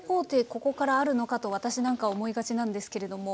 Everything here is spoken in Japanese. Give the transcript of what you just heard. ここからあるのかと私なんか思いがちなんですけれども。